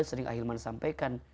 sering ahilman sampaikan